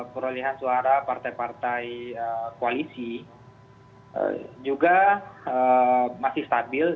perolehan suara partai partai koalisi juga masih stabil